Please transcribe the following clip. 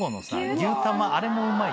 牛玉あれもうまい。